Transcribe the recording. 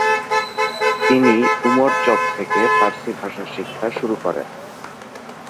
তিনি উমর চক থেকে ফার্সি ভাষা শিক্ষা শুরু করেন।